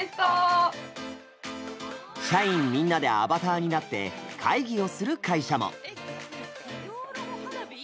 社員みんなでアバターになって会議をする会社も。